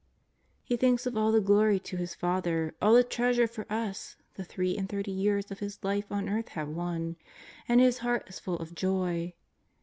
lie thinks of all the glorj to His Father, all the treasure for ns, the three and thirty years of His Life on earth have won, and His Heart is full of joy.